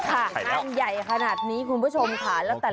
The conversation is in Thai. ค่ะเพียงยังมีขนาดนี้คุณผู้ชมค่ะ